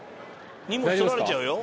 荷物取られちゃうよ。